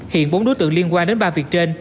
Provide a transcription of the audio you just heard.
hiện bốn đối tượng liên quan đến ba việc trên